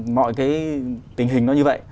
mọi cái tình hình nó như vậy